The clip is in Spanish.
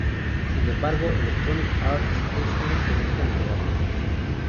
Sin embargo, Electronic Arts es un accionista minoritario.